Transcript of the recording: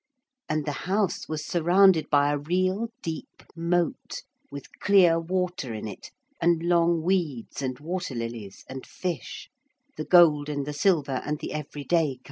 And the house was surrounded by a real deep moat, with clear water in it, and long weeds and water lilies and fish the gold and the silver and the everyday kinds.